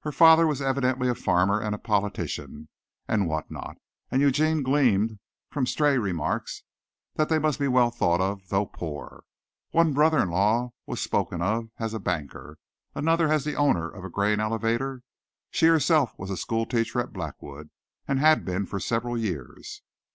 Her father was evidently a farmer and politician and what not, and Eugene gleaned from stray remarks that they must be well thought of, though poor. One brother in law was spoken of as a banker; another as the owner of a grain elevator; she herself was a school teacher at Blackwood had been for several years.